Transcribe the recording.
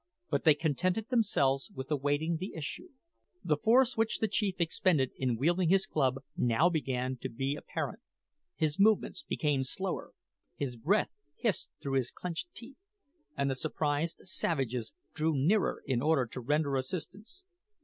But they contented themselves with awaiting the issue. The force which the chief expended in wielding his club now began to be apparent. His movements became slower, his breath hissed through his clenched teeth, and the surprised savages drew nearer in order to render assistance.